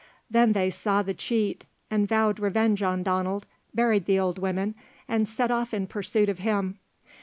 They then saw the cheat, and vowed revenge on Donald, buried the old women, and set off in pursuit of him.